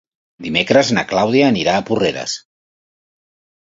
Dimecres na Clàudia anirà a Porreres.